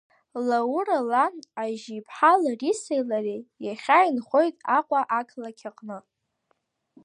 Лаура лан Ажьи-ԥҳа Ларисеи лареи иахьа инхоит Аҟәа ақалақь аҟны.